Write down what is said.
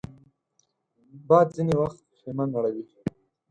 باد ځینې وخت خېمه نړوي